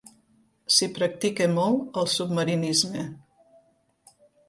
S'hi practica molt el submarinisme.